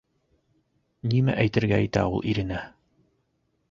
Нимә әйтергә итә ул иренә?